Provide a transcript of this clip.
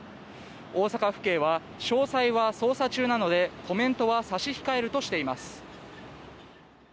大阪府警は詳細は捜査中なのでコメントは差し控えるとしています。